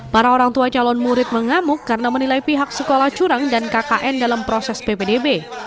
para orang tua calon murid mengamuk karena menilai pihak sekolah curang dan kkn dalam proses ppdb